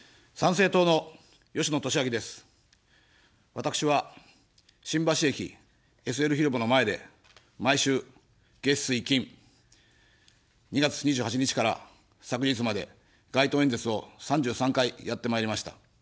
私は、新橋駅ＳＬ広場の前で毎週月水金、２月２８日から昨日まで、街頭演説を３３回やってまいりました。